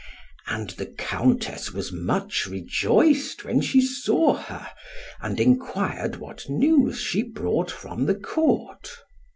And the Countess was much rejoiced when she saw her, and enquired what news she brought from the Court.